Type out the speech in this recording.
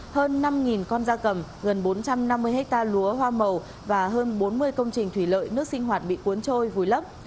hơn năm con da cầm gần bốn trăm năm mươi hectare lúa hoa màu và hơn bốn mươi công trình thủy lợi nước sinh hoạt bị cuốn trôi vùi lấp